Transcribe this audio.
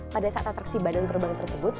pada saat atraksi badan terbang tersebut